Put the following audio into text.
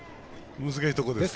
難しいところです。